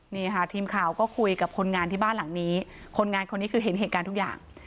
นี่ค่ะทีมข่าวก็คุยกับคนงานที่บ้านหลังนี้คนงานคนนี้คือเห็นเหตุการณ์ทุกอย่าง